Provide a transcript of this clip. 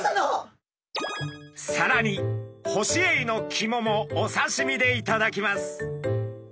さらにホシエイの肝もお刺身でいただきます。